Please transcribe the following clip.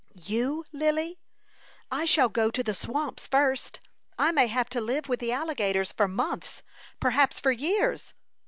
"You, Lily! I shall go to the swamps first. I may have to live with the alligators for months, perhaps for years."